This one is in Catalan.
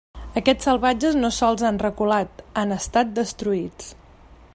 Aquests salvatges no sols han reculat, han estat destruïts.